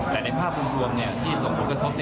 แต่ในภาพรวมที่ส่งผลกระทบ